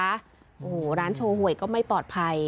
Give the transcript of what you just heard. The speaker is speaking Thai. โอ้โหร้านโชว์หวยก็ไม่ปลอดภัย